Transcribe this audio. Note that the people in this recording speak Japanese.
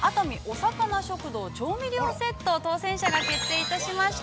さかな食堂調味料セット」の当せん者が決定いたしました。